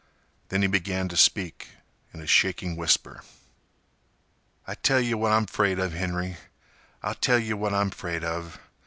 Then he began to speak in a shaking whisper: "I tell yeh what I'm 'fraid of, Henry—I'll tell yeh what I'm 'fraid of.